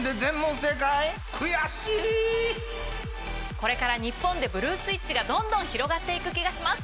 これから日本でブルー・スイッチがどんどん広がっていく気がします